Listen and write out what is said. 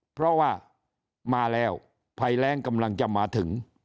เพราะว่ามาแล้วภัยแรงกำลังจะมาถึง